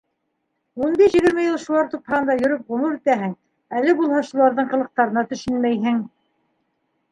Ун биш-егерме йыл шулар тупһаһында йөрөп ғүмер итәһең, әле булһа шуларҙың ҡылыҡтарына төшөнмәйһең.